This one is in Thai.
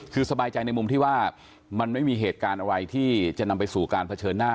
คือสบายใจในมุมที่ว่ามันไม่มีเหตุการณ์อะไรที่จะนำไปสู่การเผชิญหน้า